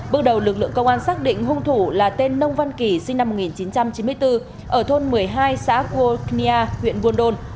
bước đầu lực lượng công an xác định hung thủ là tên nông văn kỳ sinh năm một nghìn chín trăm chín mươi bốn ở thôn một mươi hai xã cua thuya huyện buôn đôn